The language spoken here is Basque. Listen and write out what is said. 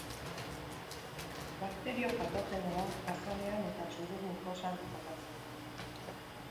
Bakterio patogenoa azalean eta sudur mukosan kokatzen da.